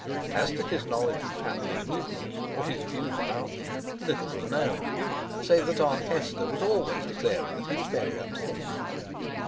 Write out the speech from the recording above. As to his knowledge of family movements or his views about them, little was known, save that Aunt Hester was always declaring that he was very upset.